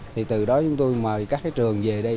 thì từ đó chúng tôi mời các trường về đây